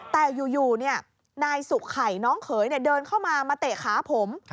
แต่อยู่นายสุไข่น้องเขยเดินเข้ามามาเตะขาผม